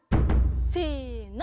せの。